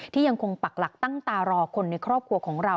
ยังคงปักหลักตั้งตารอคนในครอบครัวของเรา